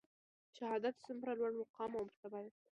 شهادت څومره لوړ مقام او مرتبه ده؟